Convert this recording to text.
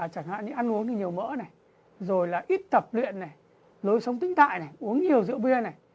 chẳng hạn ăn uống nhiều mỡ ít tập luyện lối sống tinh tại uống nhiều rượu bia